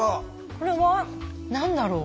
これは何だろう？